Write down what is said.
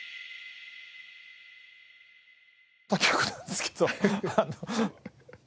他局なんですけどはい。